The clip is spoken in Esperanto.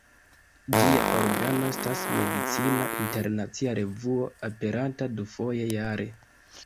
Ĝia organo estas "Medicina Internacia Revuo", aperanta dufoje jare.